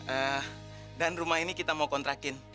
eh dan rumah ini kita mau kontrakin